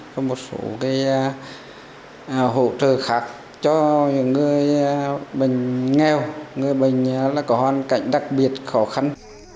và một số hỗ trợ khác cho những người bệnh nghèo người bệnh có hoàn cảnh đặc biệt khó khăn